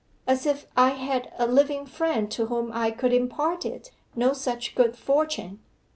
As if I had a living friend to whom I could impart it no such good fortune!